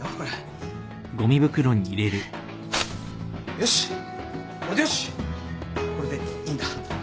よしこれでよしこれでいいんだうん。